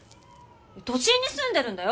都心に住んでるんだよ！